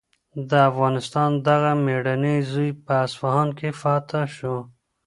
د افغانستان دغه مېړنی زوی په اصفهان کې فاتح شو.